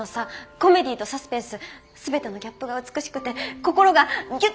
コメディーとサスペンス全てのギャップが美しくて心がギュッと締めつけられました。